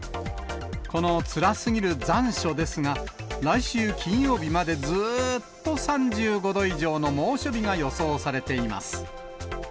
このつらすぎる残暑ですが、来週金曜日までずっと３５度以上の猛暑日が予想されています。